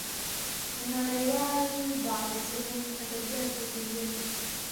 نړيوال بايد زموږ ادبيات وپېژني.